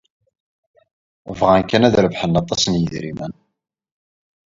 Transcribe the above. Bɣan kan ad d-rebḥen aṭas n yedrimen.